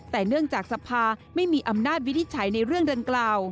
แต่เนื่องจากสภาไม่มีอำนาจวิทย์ใช้ในเรื่องเริ่มกล่าว